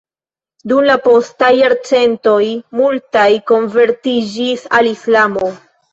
Dum la postaj jarcentoj multaj konvertiĝis al Islamo.